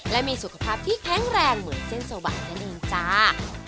และมีสุขภาพที่แข็งแรงเหมือนเส้นโซบะนั่นเองจ้า